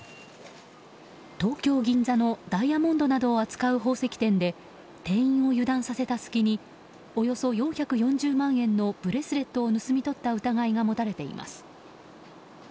東京・銀座のダイヤモンドなどを扱う宝石店で店員を油断させた隙におよそ４４０万円のブレスレットを盗み取った疑いが持たれています。